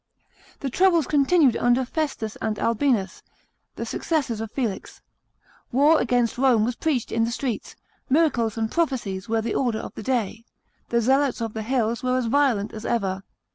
The troubles continued under Festus and Albinus, the successors of Felix. War against Rome was preached in the streets; miracles and prophecies were the order of the day ; the Zealots of the hills were as violent as ever.